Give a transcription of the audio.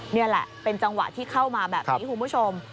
นี่แหละเป็นจังหวะที่เข้ามาแบบนี้คุณผู้ชม